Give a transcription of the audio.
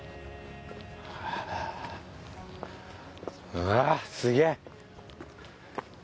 うわすげえ！